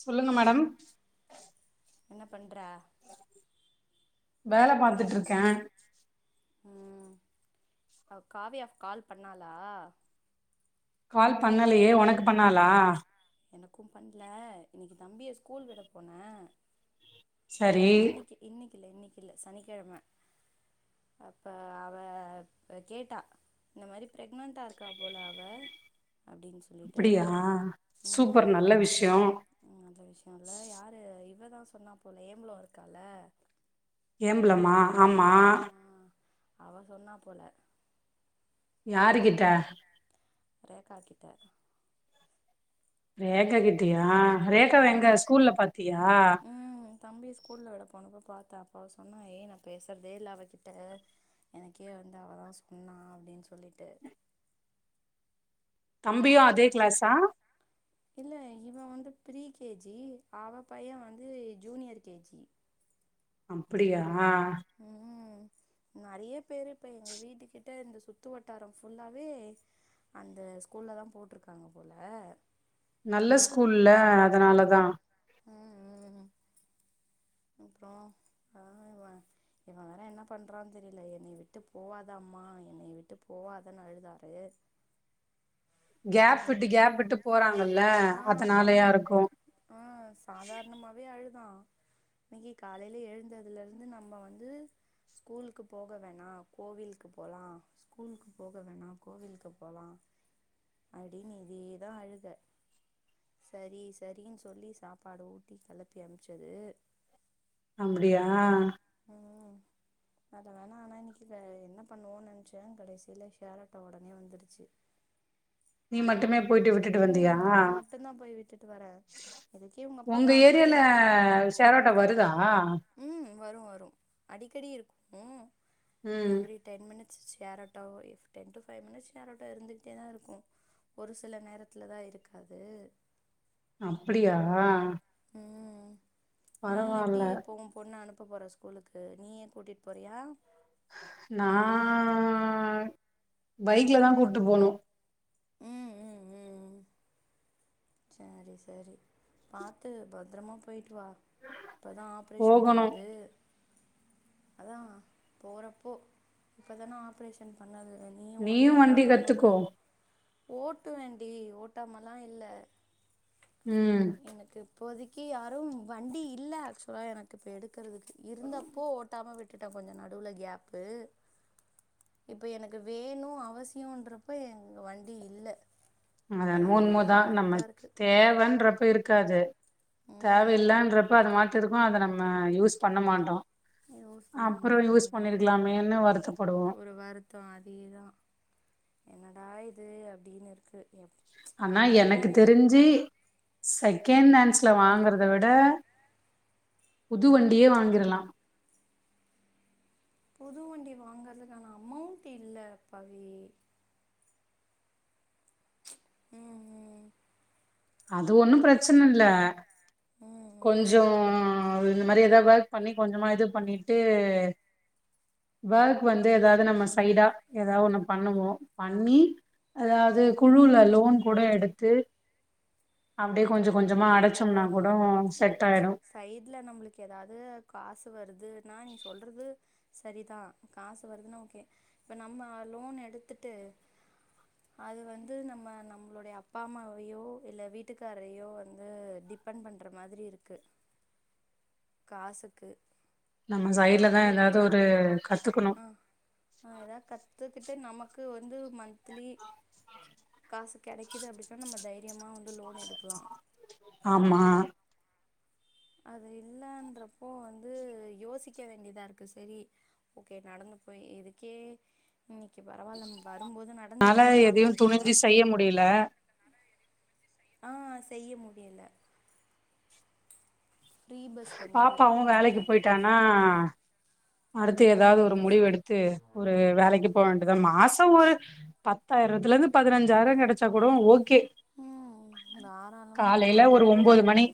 சொல்லுங்க மேடம் என்ன பண்ற வேல பாத்துட்டு இருக்கேன் ம் காவியா கால் பண்ணாளா கால் பண்ணலயே உனக்கு பண்ணாளா எனக்கும் பண்ல இன்னக்கி தம்பிய ஸ்கூல் விட போனே சரி இனக்கில்ல சனிக்கிழமை அப்ப அவ கேட்டா இந்த மாரி பிரகன்டா இருக்கா போல அவ அப்டினு சொல்லிட்டு அப்படியா சூப்பர் ம் நல்ல விஷயோ இவதான் சொன்னா போல ஏம்லோ இருக்கால்ல ஏம்பளமா ஆமா அவ சொன்னா போல யாருக்கிட்ட ரேக்கா கிட்ட ரேக்காகிட்யா ரேக்கா வெங்க ஸ்கூல்ல பாத்தியா த்த அப்ப அவ சொன்னா ஏய் நான் பேசுறதே இல்ல அவகிட்ட எனக்கே வந்து அவதா சொன்னா அப்டினு சொல்லிட்டு தம்பியும் அதே கிளாசா இல்ல இவ வந்து ப்ரீ கே ஜி அவ பைய வந்து ஜூனியர் கே ஜி அப்டியா ஆ ம் நெறைய பேரு இப்ப எங்க வீட்டு கிட்ட இந்த சுத்து வட்டாரம் ஃபுல்லாவே அந்த ஸ்கூல்ல தா போட்ருக்காங்க போல நல்ல ஸ்கூல்ல அதனாலதான் ம் ம் அப்றோ ஆ இவ இவ வேற என்ன பண்றான்னு தெரியல என்னைய விட்டு போவாத அம்மா என்னைய விட்டு போவாதன்னு அழுதாரு கேப் விட்டு விட்டுட் கேப் விட்டு போறாங்கல்ல ஆ ஒன் அதனாலயா இருக்கு ஆ சாதாரணமாவே அழு ஹ இன்னக்கி காலையில எழுந்ததுல இருந்து நம்ம வந்து ஸ்கூலுக்கு போக வேணாம் கோவிலுக்கு போலாம் ஸ்கூலுக்கு போக வேணாம் கோவிலுக்கு போகலாம் அப்டினு இதேதான் அழுக சரி சரினு சொல்லி சாப்பாடு ஊட்டி கெளப்பி அமைச்சது அப்டியா உம் அது வேண்ணா ஆனா இன்னக்கி ஆ என்ன பண்ணுவோன்னு நெனைச்சே கடைசியில ஷேர் ஆட்டோ உடனே வந்துருச்சு நீ மட்டுமே போயிட்டு விட்டுட்டு வந்தியா மட்டுந்தா போய் விட்டுட்டு வரே இதுக்கே அப்பா உங்க காலையில ஏரியில இருந்தாரு ஷேர்ஆட்டோ வருதா ம் வரு வரு அடிக்கடி இருக்கு ம் every ten minute share auto ten to five minutes சேராட்டோ இருந்துக்கிட்டே தான் இருக்கும் ஒரு சில நேரத்துல தான் இருக்காது அப்டியா ம் நீ எப்படி பரவால்ல இப்ப உன் பொண்ண அனுப்பு எப்ப போற ஸ்கூலுக்கு நீயே கூடிட்டு போறியா நான் பைக்ல தான் கூப்பிட்டு போனும் ம் ம் ம் சரி சரி பாத்து பத்தரமா போயிட்டு வா இப்போ தான் ஆப்ரேஷன் போகணு பண்ணது அதான் போறப்போ இப்பதானே ஆப்ரேஷன் பண் நீயும் வண்டி கத்துக்கோ ஓட்டுவே டி ஓட்டாமல்லா இல்ல உம் எனக்கு இப்போதைக்கு யாரும் வண்டி இல்லை ஆக்சுவலா எனக்கு இப்போ எடு இருந்தப்போ ஓட்டாம விட்டு விட்டுட்டா கொஞ்சம் நடுல கேப்பு இப்போ எனக்கு வேணும் அவசியம்ன்றப்ப எங்க வண்டி இல்ல அது என்னமோ அதுவே ரொம்ப உண்மதா நம்ம கடுப்பா இருக்கு தேவைன்றப்ப இருக்கு இருக்காது ம் தேவையில்லன்றப்ப அது மாட்ட இருக்கும் அதை நம்ம யூஸ் பண்ணா மாட்டோம் யூஸ் பண்ண மாற்ராங்க அதேதான் பண்ணிருக்கலாமேன்னு வருத்தப்படுவோ ஒரு வாரத்தம் அதேதான் என்னடா இது அப்டின்னு இருக்கு எப் ஆனா எனக்கு போய் தெரிஞ்சு சை செகண்டண்டஸ்ல வாங்கறத விட புதுவண்டியே வாங்கிடலாம் புது வண்டி வாங்கறதுக்கான அமோண்ட் இல்ல பவி உம் உம் அது ஒன்னும் பிரச்சனை இல்ல ம் ம் கொஞ்சம் இந்த மாதிரி ஏதாவது ஒர்க் பண்ணி கொஞ்சமா இது பண்ணிட்டு ஒர்க் வந்து ஏதாவது நம்ம சைடா ஏதாவது ஒண்ண பண்ணுவோம் பண்ணி அதாவது குழுல லோன் கூட எடுத்து அப்டியே கொஞ்சம் கொஞ்சமா அடைச்சோம்னா கூட செட் ஆயிடும் சைடுல நம்மளுக்கு ஏதாவது காசு வருது நா நீ சொல்றது சரிதான் காசு வருதுன்னு ஓகே இப்ப நம்ம லோன் எடுத்துட்டு அது வந்து நம்ம நம்மளுடைய அப்பா அம்மாவையோ இல்லை வீட்டுக்காரையோ வண் வந்து டிபெண்ட் பண்ணுற மாதிரி இருக்கு காசுக்கு நம்ம இப்ப சைட்ல தான் நம்மளுக்கு ஏதாவது ஒரு கத்துக்கணும் ஆ ஆ ஏதாவ கத்துக்கிட்டு நமக்கு வந்து மந்லி காசு கிடைக்குது அப்டின்னா நம தைரிய எம்ம வந்து லோன் எடுக்கலாம் ஆம்மா அது இல்லன்றப்போ வந்து யோசிக்க வேண்டியதா இருக்கு சரி ஓகே நடந்து போய் இதுக்கே இன்னைக்கு பரவாயில்ல பாரு என்னால எதையும் துணி்ஞ்சு செய்ய முடியலா ஆ செய்ய முடில பாப்பாவும் வேலைக்கு வந்துட்டே போயிட்டானா அடுத்து ம் ஏதாவது ஒரு ம் முடிவு ஸ்- எடுத்து ஒரு வேலக்கு போவேன்டி இது மாசம் ஒரு பத்தாயிரத்துலே இருந்து பதினஞ்சாயிரம் கெடைச்சா கூட ஓகே ம் க்கு தாராளமா காலைல்ல அது ஒரு போது ஒன்பது மணி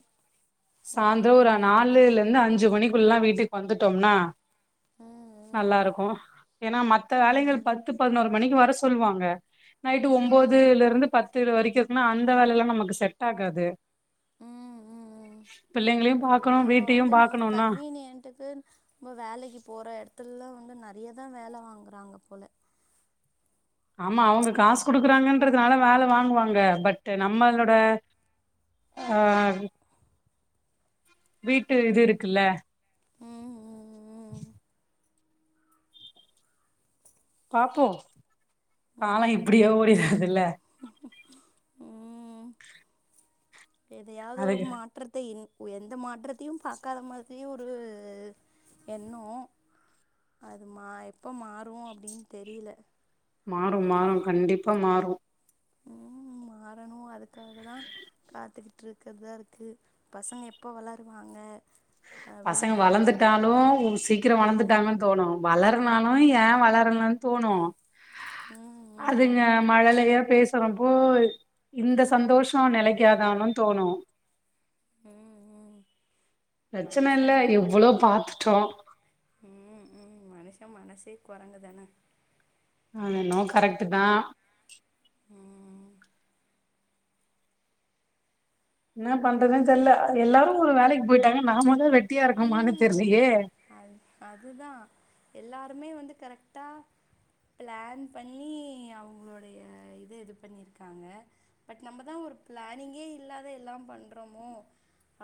சாய்ந்தரம் ஒரு ம் நாலுல லேருந்து அஞ்சு அஞ்சு மணிக்குள்ளல்லாம் வீட்டுக்கு வந்துட்டோம்னா ம் நல்ல ம் இருக்ககோம் ஏன்னா மத்ததா வேலங்கள் ம் பத்து பதினோரு மணிக்கு வர சொல்வாங்க நைட்டு் ம் ஒன்பதுல ருந்து பத் திரு வரிகிருக்குதன்னா அந்த வேலய ல்லாம் நமக்கு செட் ஆகாது ம் ம் வம் பிள்ளைங்களையு பாக்கணு நம்ம வீட்டையு வந்து நம்ம பாக்கணுன்னா கன்வீனிவீட்டுக்கு வேலைக் போற இடத்துல்லா வந்து நெறைய வேல வாங்குனங்க போல ஆமா அவங்க காசு குடுக்குறாங்கன்றதுனால வேல வாங்குவாங்க பட் நம்மளோட ஆ வீட்டூ இது இருக்குல்லா பாப்போம் காலம் இப்டியோ ஓடிறதுல்ல எதையாவது ஒரு அதுக்கு மாற்றத்தை இன் ஓ எந்த மாற்றத்தையும் பாக்காத மாரி ஒரு எண்ணும் அது மா எப்போ மாறும் அப்டின்னு தெரியல மாறும் மாறும் கண்டிப்பா மாறும் ம் ம் மாறணும் அதுக்காக தான் காத்துக்கிட்டு இருக்கற இருக்கு பசங்க எப்ப வளருவாங்க அப்படின்னு பசங்க இருக்குது வளர்ந்துட்டாலூம் சீக்கிரம் ஐயோ வளர்ந்துட்டாங்கன்னு தோணும் வளர் வரளனாலும் ஏன் வளரலன்னு தோணும் ம் அதுங்க ம் மழலையப் பேசுறம்போ இந்த சந்தோஷம் நிலைக்காதான்னு தோணும் ம் ம் பிரச்சன இல்ல மனுஷமா எவ்ளோ பாத்துட்டோ ம் ம் மனுச ம் மனசே குரங்குதானே அது என்ன ஒ கரெக்ட் தான் ம் என்ன பண்றதுன்னு தெரில்ல எல்லாரும் ஒரு வேலக்கு போயிட்டாங்க நான மட்டும் வெட்டி வேட்டியா இருக்குமான்னு ம் தெரிலேயே எல்லாமே வந்து கரெக்டா பிளான் பண்ணி அவங்களுடைய இது இது பண்ணியிருக்காங்க பட் நம்ம தான் ஒரு பிளானிங்கே இல்லாத எல்லாம் பண்ணுறோமோ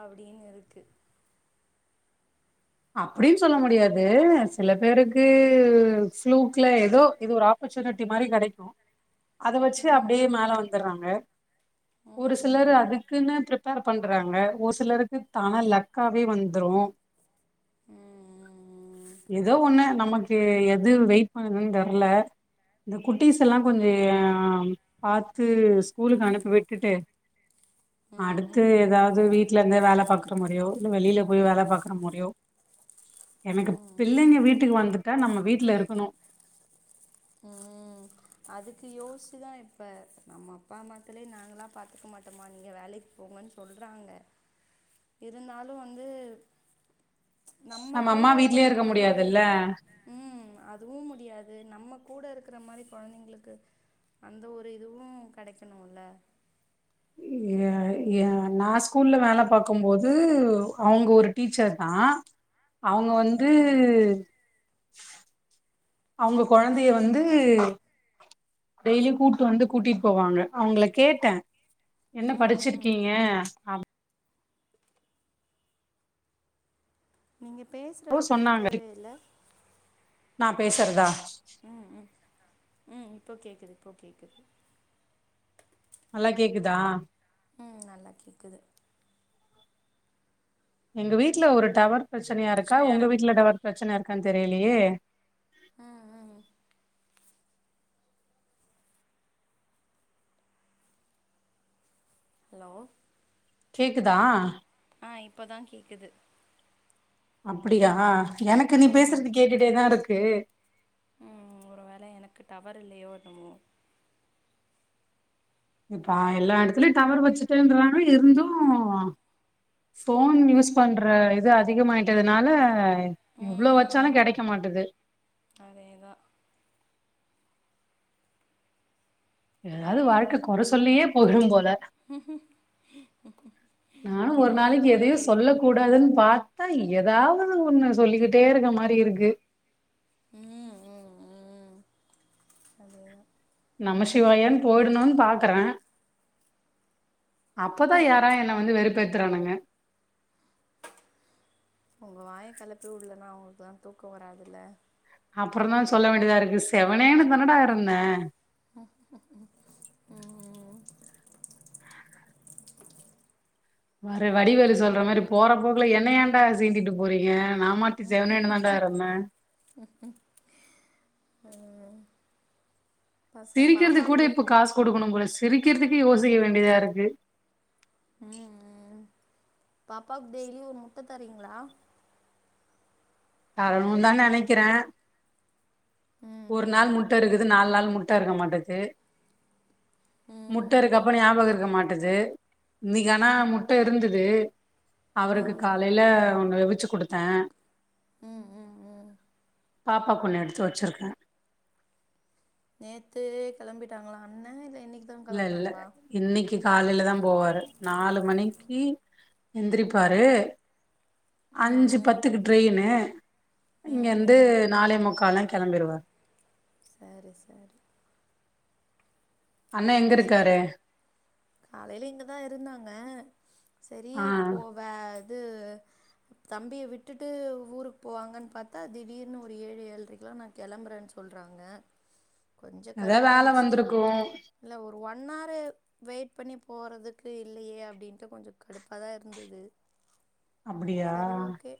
அப்டின்னு இருக்கு அப்டின்னு சொல்ல முடியாது சில பேருக்கு ஃளூக்லா ஏதோ இதுஒரு ஆப்பர்ச்சுனிட்டி மாரி கெடைக்கும் அத வச்சு ம் அப்டியே மேல வந்துடுறாங்க ம் ஒரு சிலர் ம் அதுக்குன்னு பிர்ப்பேர் பண்றாங்க ஒரு சிலருக்கு தானா லக்காவே வந்துரு ம் ம் ம் இது ஒண்ணு நமக் க்கு எது வெயிட் பண்ணனுன்னு தெர்ல இந்த குட்டிஸ் எல்லா கொஞ்சசோ யே பாத் ம் ம் ம் ஸ்கூலுக்கு அனுப்பி விட்டுட்டு அடுத்து ம் ம் ஏதாவது வீட்டுல இருந்தே வேலை பாக்குறமாரியோ இல்லை வெளியில போய் வேலை பாக்குறமாரியோ எனக்கு ம் பிள்ளைங்க வீட்டுக்கு வந்து தா நம்ம வீட்ல இருக்கணு உம் அதுக்கு யோசிச்சுதான் இப்ப நம்ம அப்பா அம்மாக்கலே நாங்களாம் பாத்துக்க மாட்டோமா நீங்க வேலைக்கு போங்கன்னு சொல்றாங்க இருந்தாலும் வந்து நம்ம கூட அம்மா இருக்கிற வீட்லயே இருக்க நம்மளோடைய முடியாதுல்ல உம் அதுவு முடியாது நம்ம கூட இருக்கிற மாரி கொழந்தைங்களுக்கு அந்த ஒரு இதுவு கெடைக்கணும்ல எ எ நான் ஸ்கூல்ல வேல பாக்கும்போது அவங்க ஒரு டீச்சர்தா அவங்க ம் வந்து ம் அவங்க கொழந்தைய வந்து டெய்லி கூட்டு வந்து கூட்டிட்டு போவாங்க அவங்கள கேட்டே என்ன ம் ம் படிச்சிருக்கீங்க அம் நீங்க றோ பேசுறது கேட்கவே இல்ல நான் பேசுறதா ம் ம் ம் இப்போ கேக்குது இப்போ கேக்குது நல்லா கேக்குதா உம் நல்லா கேக்குது எங்க வீட்டல ஒரு டவர் பிரச்சனையா இருக்கா உங்க வீட்ல டவர் பிரச்சனை இருக் க்கான்னு தெரியலயே ம் ம் ஹலோ கேக்குதா ஆ இப்பதா கேக்குது அப்டியா எனக்கு நீ பேசுறது கேட்டுட்டேதா இருக்கு உம் ஒரு வேள எனக்கு டவர் இல்லையோ என்னமோ இப்ப எல்லா இடத்துலயேயும் டவர் வச்சுட்டேன்றாங்க இருந்தும் போன் யூஸ் பண்ற இது அதிகமாயிட்டதுனால ம் எவ்ளோ ம் வச்சாலும் கெடைக்க மாட்டது அதேதா எதாவது அப்றோ வாழ்க்க கொற சொல்லியே போய்டும்போல நானு ஒரு எல்லாரையு நாளைக்கு கொற எதையும் சொல்றது சொல்லக் கூடாதுன்னு பாக் [unintelligible] ஏதாவது ஒண்ணு சொல்லிக்கிட்டே இருக்க மாரி இருக்கு உம் உம் உம் அதேதா நமசிவாயன்னு போயிடணுன்னு பாக்கறே அப்பதா யாரா என்ன வந்து வெறுப் பேத்துறானுங்க உங்க வாய கிளப்பி விடலன்னா அவங்களுக்குல்லாம் தூக்கம் வராதுல்ல அப்புறம் தான் சொல்ல வேண்டியதா இருக்கு செவனேன்னு தன்னடா இருந்தேன் ம்ம்ம் வ சரி வடிவேல் சரி சொல்ற மாரி போறப்போகு இதுல என்னை ஏண்டா சீண்டிட்டு போறீங்க நான மாத்திச்சேவனனுன்தாடா இருந்தே ம்ம் சிரிக்கிறது கூட இப்ப காசு கொடுக்கணும் போல சிரிக்கிறதுக்கு யோசிக்க வேண்டியதாருக்கு ம்ம்ம் பாப்பாவுக்கு டெய்லி ஒரு முட்ட தரீங்களா வரணும்னுதான் நினைக்கிறேன் ம் ஒரு நாள் ம் முட்ட இருக்குது நாலு நாள் முட்ட இருக்க மாட்டேது முட்டை இருக்கப்ப ம் ஞாபகம் இருக்க மாட்டுது இன்னைக்கு ஆனா முட்ட இருந்தது ம் அவருக்கு ம் காலையில ஒண்ணு [inaudible] வச்சு கொடுத்தேன் உம் உம் உம் பாப்பாகு கொண்ணு எடுத்து வச்சிருக்கேன் நேத்து கெளம்பிட்டாங்களா அண்ண இல்ல இன்னைக் இல்ல இல்ல இன்னைக்கு காலையிலதான் போவாரு நாலு மணிக்கு எந்திரிப்பாரு ம் அஞ்சு ம் பத்துக்கு ட்ரெயினு இங்க ம் வந்து ம் நளை முக்கால் கெளம்பிருவ சரி சரி அண்ணே எங்க இருக்காரு காலைல இங்கதா இருந்தாங்க சரி ஆ ப்போ வ து தம்பியை விட்டுட்டு ஊருக்கு போவாங்கன்னு பார்த்தா திடீர்னு ஒரு ஏழு ஏழுரைக்குல்லாம் நான் கிளம்புறேன்னு சொல்றாங்க கொஞ்சோ எதாவதுவேல கடுப்பாயிடுச்சு வந்திருக்கும் இல்ல ஒரு ஒன் ஆரு வெயிட் இப்பண்ணி போறதுக்கு இல்லயே அப்டின்ட்டு கொஞ்சம் கடுப்பாதான் இருந்தது அப்டியா சரி ஓகே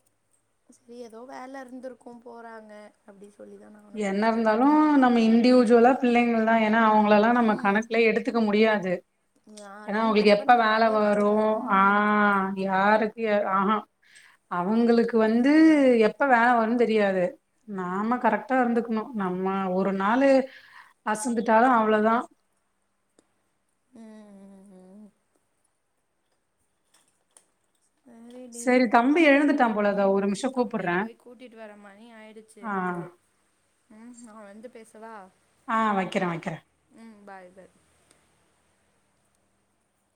சரி ஏதோ வேலை இருந்திருக்கும் போறாங்க அப்டி சொல்லி தா நானு என்ன விட்டுட்டே இருந்தாலும் நம்ம இண்டிவிஜுவலா பிள்ளைங்கல்லா ஏன்னா அவங்கள எல்லா நம்ம ம் கணக்குலயே எடுத்துக்க முடியாது ஏன்னா யாரையு அவங்களுக்கு எப்ப டிபெண்ட் வேல பண்ணவே வரு கூடாது ம் ஆஹ் யாருக்கு ஆஹா அவங்களுக்கு வந்து எப்ப வேல வரும் தெரியாது நாம கரெக்ட் இருந்துக்கணும் நம்ம ஒரு நாளு அசந்துட்டாலும் அவ்வளவுதான் ம் ம் ம் செரிடி சரி தம்பி எழுந்துட்டா போல இதோ ஒரு உம் நிமிஷோ தம்பிய கூப்புட்றே போய் கூட்டிட்டு வர மாதிரி ஆயிடுச்சு ஆ எனக்கு உம் நான் வந்து பேசவா ஆ வைக்கிறே வைக்கிறே உம் பாய் அ